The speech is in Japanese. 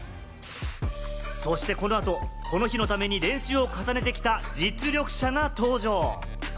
そしてこの後、この日のために練習を重ねてきた実力者が登場。